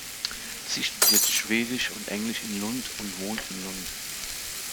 Sie studierte Schwedisch und Englisch in Lund und wohnt in Lund.